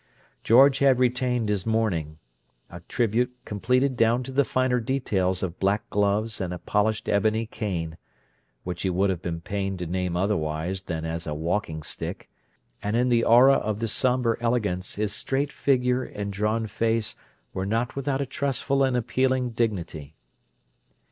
George had retained his mourning, a tribute completed down to the final details of black gloves and a polished ebony cane (which he would have been pained to name otherwise than as a "walking stick") and in the aura of this sombre elegance his straight figure and drawn face were not without a tristful and appealing dignity.